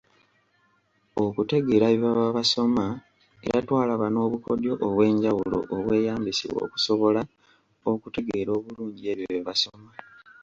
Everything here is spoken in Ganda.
Okutegeera bye baba basoma era twalaba n’obukodyo obw’enjawulo obweyambisibwa okusobola okutegeera obulungi ebyo by’osoma.